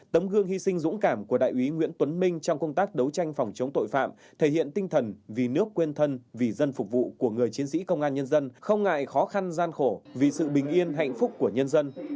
tấm gương hy sinh dũng cảm của đại úy nguyễn tuấn minh trong công tác đấu tranh phòng chống tội phạm thể hiện tinh thần vì nước quên thân vì dân phục vụ của người chiến sĩ công an nhân dân không ngại khó khăn gian khổ vì sự bình yên hạnh phúc của nhân dân